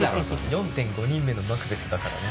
４．５人目のマクベスだからね。